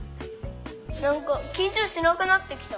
なんかきんちょうしなくなってきた！